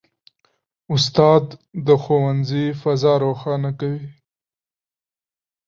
استاد د ښوونځي فضا روښانه کوي.